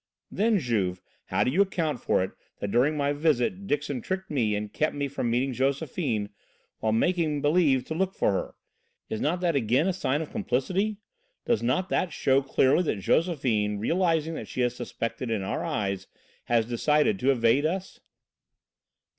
"Then, Juve, how do you account for it that during my visit Dixon tricked me and kept me from meeting Josephine while making believe to look for her? Is not that again a sign of complicity? Does not that show clearly that Josephine, realising that she is suspected in our eyes, has decided to evade us?"